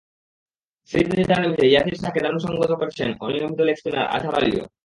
Series নির্ধারণী ম্যাচে ইয়াসির শাহকে দারুণ সংগত করেছেন অনিয়মিত লেগ স্পিনার আজহার আলীও।